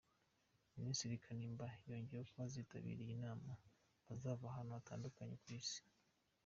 Minisitiri Kanimba yongeyeho ko abazitabira iyi nama bazava ahantu hatandukanye ku Isi.